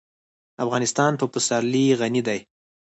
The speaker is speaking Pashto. افغانستان په پسرلی غني دی.